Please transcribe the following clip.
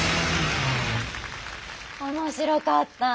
面白かった！